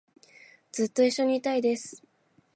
ずっと一緒にいたいです